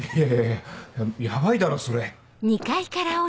いやいやヤバいだろそれ。